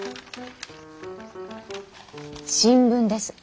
新聞です。